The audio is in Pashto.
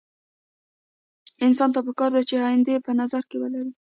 انسان ته پکار ده چې اينده په نظر کې ولري.